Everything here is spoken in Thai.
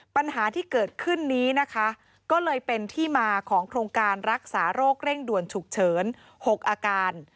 ปัญหาที่เกิดขึ้นนี้นะคะก็เลยเป็นที่มาของโครงการรักษาโรคเร่งด่วนฉุกเฉิน๖อาการ